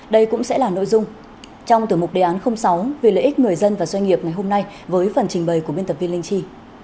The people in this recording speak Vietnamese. đây cũng sẽ là nội dung trong tiểu mục đề án sáu về lợi ích người dân và doanh nghiệp ngày hôm nay với phần trình bày của biên tập viên linh chi